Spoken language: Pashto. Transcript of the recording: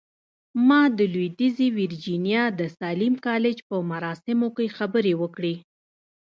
ما د لويديځې ويرجينيا د ساليم کالج په مراسمو کې خبرې وکړې.